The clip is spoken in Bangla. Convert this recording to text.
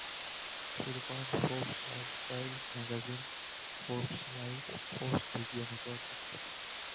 শুরু করেন Forbes lifestyle magazine, Forbes life, Forbes video network ইত্যাদি।